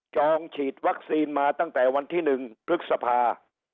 องฉีดวัคซีนมาตั้งแต่วันที่๑พฤษภา